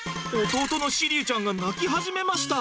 弟の志龍ちゃんが泣き始めました。